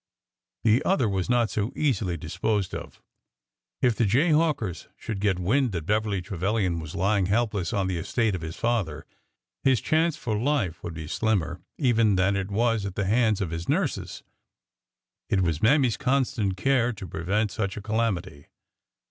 The other was not so easily disposed of. If the jay hawkers should get wind that Beverly Trevilian was lying helpless on the estate of his father, his chance for life would be slimmer even than it was at the hands of his nurses. It was Mammy's constant care to prevent such a calamity.